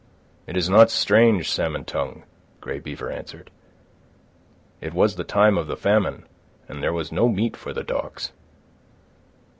"It is not strange, Salmon Tongue," Grey Beaver answered. "It was the time of the famine, and there was no meat for the dogs."